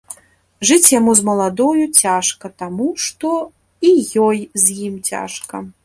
Жыць яму з маладою цяжка таму, што і ёй з ім цяжка.